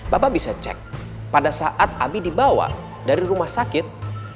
bapak bisa cek pada saat abi dibawa dari rumah sakit